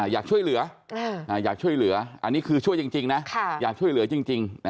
อยากช่วยเหลืออยากช่วยเหลืออันนี้คือช่วยจริงนะอยากช่วยเหลือจริง